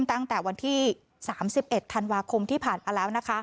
ตั้งแต่วันที่๓๑ธันวาคมที่ผ่านมาแล้วนะคะ